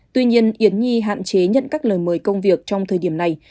tuy nhiên yến nhi hạn chế nhận các lời mời công việc trong thời điểm này